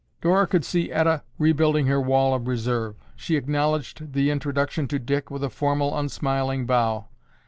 Dora could see Etta rebuilding her wall of reserve. She acknowledged the introduction to Dick with a formal, unsmiling bow.